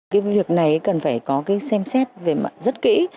cái việc này cần phải có cái xem xét về mặt rất kỹ